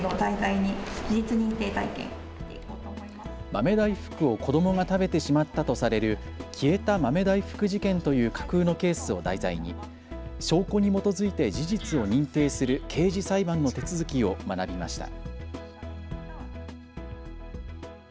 豆大福を子どもが食べてしまったとされる消えた豆大福事件という架空のケースを題材に証拠に基づいて事実を認定する刑事裁判の手続きを学びました。